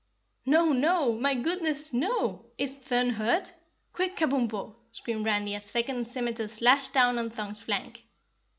"No, no! My goodness, NO! Is Thun hurt? Quick, Kabumpo!" screamed Randy as a second scimiter slashed down on Thun's flank.